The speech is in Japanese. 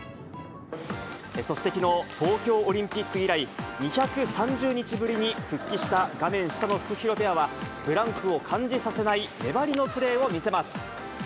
そしてきのう、東京オリンピック以来、２３０日ぶりに復帰した画面下のフクヒロペアはブランクを感じさせない粘りのプレーを見せます。